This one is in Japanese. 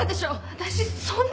私そんな。